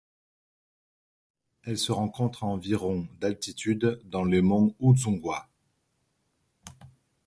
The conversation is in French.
Elle se rencontre à environ d'altitude dans les monts Udzungwa.